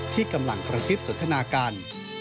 ที่กำลังกระซิบสนทนากัน